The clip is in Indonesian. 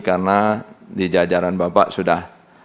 karena di jajaran bapak sudah